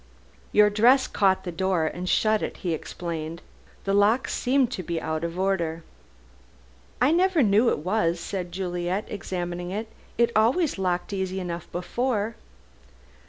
"Your dress caught the door and shut it," he explained, "the lock seems to be out of order." "I never knew it was," said Juliet, examining it; "it always locked easy enough before."